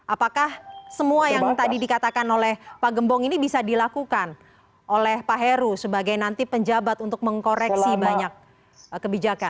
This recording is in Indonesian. apakah semua yang tadi dikatakan oleh pak gembong ini bisa dilakukan oleh pak heru sebagai nanti penjabat untuk mengkoreksi banyak kebijakan